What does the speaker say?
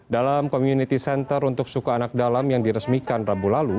dalam community center untuk suku anak dalam yang diresmikan rabu lalu